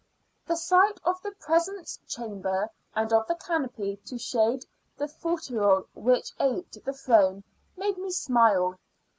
The sight of the presence chamber, and of the canopy to shade the fauteuil which aped a throne, made me smile.